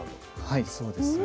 はいそうですね。